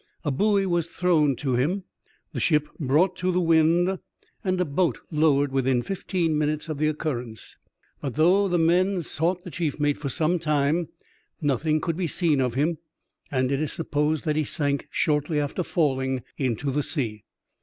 A buoy was thrown to him, the ship brought to the wind, and a boat lowered within fifteen minutes of the occurrence. But though the men sought the chief mate for some, time, nothing could be seen of him, and it is supposed that he sank shortly after falling into the sea.